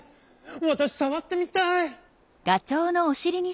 わたしさわってみたい！」。